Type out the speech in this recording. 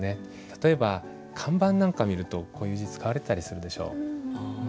例えば看板なんか見るとこういう字使われてたりするでしょ？